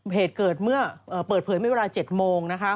เหตุเกิดเมื่อเปิดเผยเมื่อเวลา๗โมง